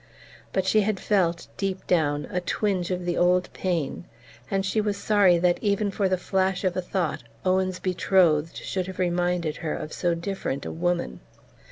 But she had felt, deep down, a twinge of the old pain, and she was sorry that, even for the flash of a thought, Owen's betrothed should have reminded her of so different a woman...